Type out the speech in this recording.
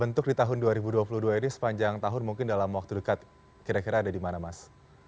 untuk di tahun dua ribu dua puluh dua ini sepanjang tahun mungkin dalam waktu dekat kira kira ada di mana mas